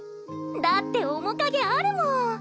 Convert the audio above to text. だって面影あるもん！